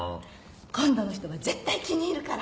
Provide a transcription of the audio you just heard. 今度の人は絶対気に入るから。